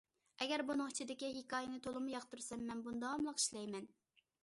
ئەگەر بۇنىڭ ئىچىدىكى ھېكايىنى تولىمۇ ياقتۇرسام، مەن بۇنى داۋاملىق ئىشلەيمەن.